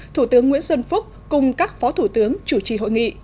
thủ tướng nguyễn xuân phúc cùng các phó thủ tướng chủ trì hội nghị